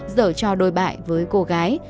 dở cho đôi bại với cô gái